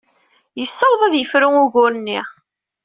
Yessaweḍ ad yefru ugur-nni.